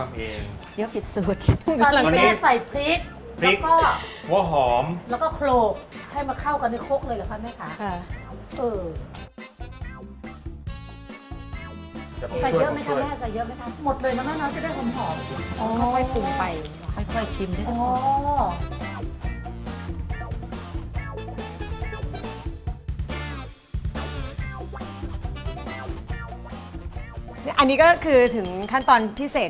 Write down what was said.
อันนี้ก็คือถึงขั้นตอนพิเศษ